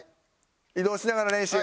移動しながら練習。